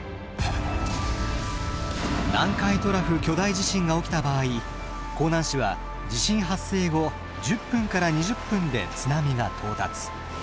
南海トラフ巨大地震が起きた場合香南市は地震発生後１０分から２０分で津波が到達。